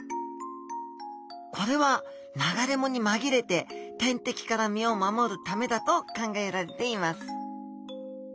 これは流れ藻に紛れて天敵から身を守るためだと考えられています